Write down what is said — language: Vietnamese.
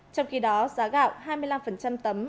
trong khi đó giá gạo hai mươi năm tấm